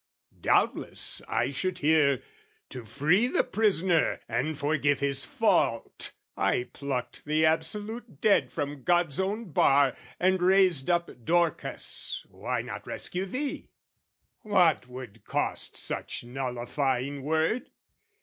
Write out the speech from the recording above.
doubtless, I should hear, "To free the prisoner and forgive his fault! "I plucked the absolute dead from God's own bar, "And raised up Dorcas, why not rescue thee?" What would cost such nullifying word?